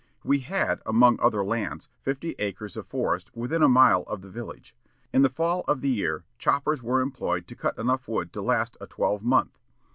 We had, among other lands, fifty acres of forest within a mile of the village. In the fall of the year, choppers were employed to cut enough wood to last a twelve month.